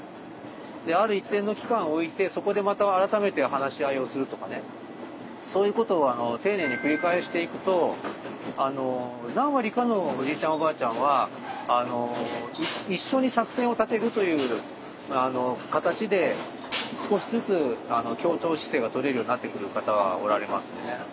である一定の期間を置いてそこでまた改めて話し合いをするとかねそういうことを丁寧に繰り返していくと何割かのおじいちゃんおばあちゃんは一緒に作戦を立てるという形で少しずつ協調姿勢が取れるようになってくる方はおられますね。